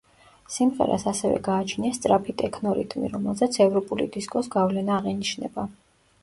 სიმღერას ასევე გააჩნია სწრაფი ტექნო რიტმი, რომელზეც ევროპული დისკოს გავლენა აღინიშნება.